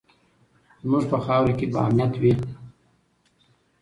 زموږ په خاوره کې به امنیت وي.